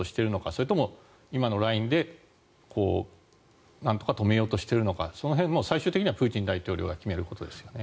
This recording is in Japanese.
それとも今のラインでなんとか止めようとしているのかその辺も最終的にはプーチン大統領が決めることですよね。